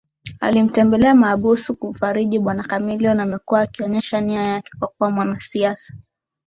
Alimtembelea mahabusu kumfariji Bwana Chameleone amekuwa akionyesha nia yake ya kuwa mwanasiasa